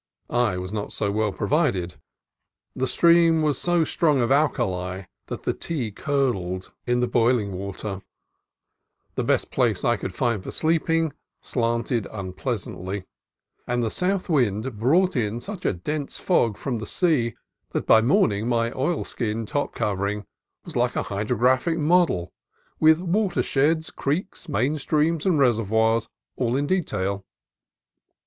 I was not so well provided. The stream was so strong of alkali that the tea curdled in the boilinsr 104 CALIFORNIA COAST TRAILS water ; the best place I could find for sleeping slanted unpleasantly; and the south wind brought in such a dense fog from the sea that by morning my oilskin top covering was like a hydrographic model, with watersheds, creeks, main streams, and reservoirs all in detail.